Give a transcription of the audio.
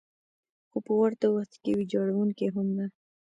خو په ورته وخت کې ویجاړونکې هم ده.